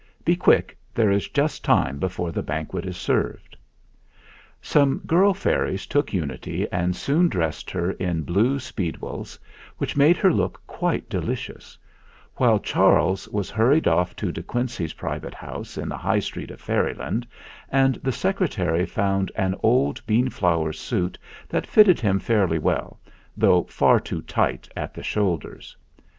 Be quick: there is just time before the banquet is served." Some girl fairies took Unity and soon dressed her in blue speedwells, which made her look quite delicious ; while Charles was hur ried off to De Quincey's private house in the High Street of Fairyland, and the Secretary found an old bean flower suit that fitted him fairly well, though far too tight at the shoul ders.